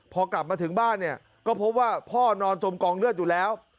พอกลับมาถึงบ้านเนี่ยก็พบว่าพ่อนอนจมกองเลือดอยู่แล้ว